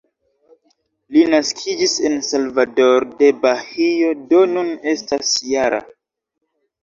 Li naskiĝis en Salvador-de-Bahio, do nun estas -jara.